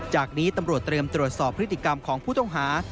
จากนี้ตำรวจเตรียมตรวจสอบพฤติกรรมของผู้ต้องหา